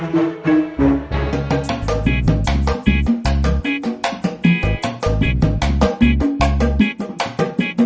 masih belum selesai kamu